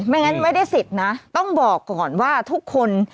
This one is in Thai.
งั้นไม่ได้สิทธิ์นะต้องบอกก่อนว่าทุกคน